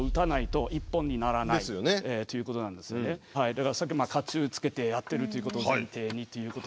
だから甲冑着けてやってるということを前提にということであればですね